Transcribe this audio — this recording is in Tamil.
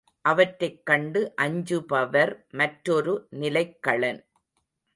அவற்றைக் கண்டு அஞ்சுபவர் மற்றொரு நிலைக்களன்.